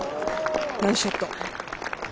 ナイスショット。